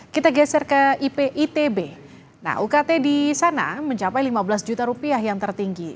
kita geser ke ipitb nah ukt di sana mencapai lima belas juta rupiah yang tertinggi